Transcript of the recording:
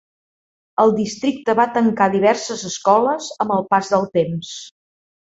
El districte va tancar diverses escoles amb el pas del temps.